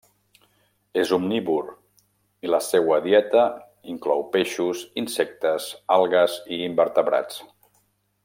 És omnívor i la seua dieta inclou peixos, insectes, algues i invertebrats.